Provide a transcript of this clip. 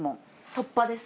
突破です。